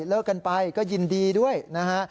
เลิกกันไปก็ยินดีด้วยนะฮะ